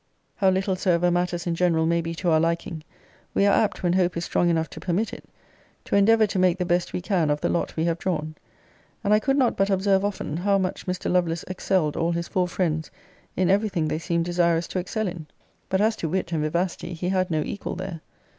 How little soever matters in general may be to our liking, we are apt, when hope is strong enough to permit it, to endeavour to make the best we can of the lot we have drawn; and I could not but observe often, how much Mr. Lovelace excelled all his four friends in every thing they seemed desirous to excel in. But as to wit and vivacity, he had no equal there.